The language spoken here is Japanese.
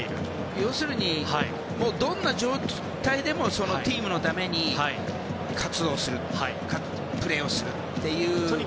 要するに、どんな状態でもチームのために活動するプレーをする。